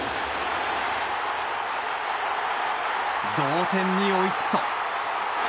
同点に追いつくと。